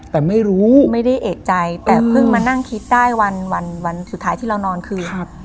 แต่ไม่รู้ไม่ได้เอกใจแต่เพิ่งมานั่งคิดได้วันวันสุดท้ายที่เรานอนคือครับ